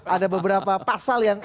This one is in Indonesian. ada beberapa pasal yang